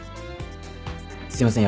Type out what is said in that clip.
すいません。